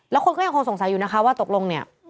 แล้วคนก็ยังคงสงสัยอยู่นะคะว่าตกลงเนี่ย